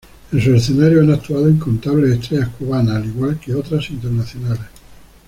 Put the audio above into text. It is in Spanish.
En sus escenarios han actuado incontables estrellas cubanas al igual que otras internacionales.